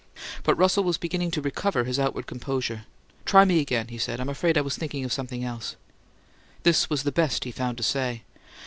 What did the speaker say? But Russell was beginning to recover his outward composure. "Try me again," he said. "I'm afraid I was thinking of something else." This was the best he found to say.